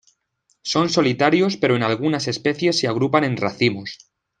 Son solitarios pero en algunas especies se agrupan en racimos.